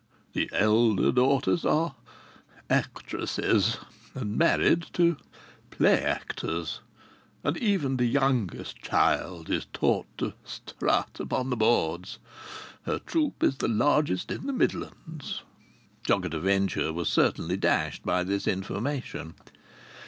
The elder daughters are actresses and married to play actors, and even the youngest child is taught to strut on the boards. Her troupe is the largest in the Midlands." Jock at a Venture was certainly dashed by this information.